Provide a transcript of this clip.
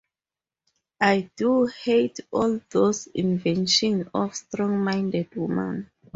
I do hate all these inventions of strong-minded women!